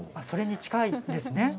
それに近いですね。